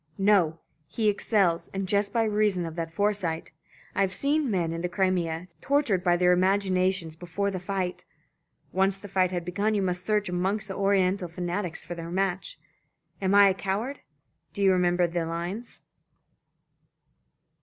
No, he excels, and just by reason of that foresight. I have seen men in the Crimea, tortured by their imaginations before the fight once the fight had begun you must search amongst the Oriental fanatics for their match. 'Am I a coward?' Do you remember the lines?